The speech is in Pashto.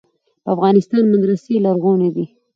د افغانستان مدرسې لرغونې دي.